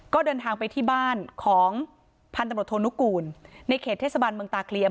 ก็เดินทางไปที่บ้านของพันธบทโทนุกูลในเขตเทศบาลเมืองตาเคลียม